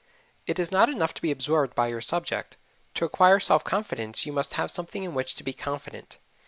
It is not enough to be absorbed by your subject to acquire self confidence you must have something in which to be confident.